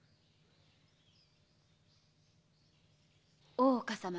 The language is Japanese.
大岡様。